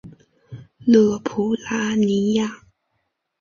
勒普拉尼亚。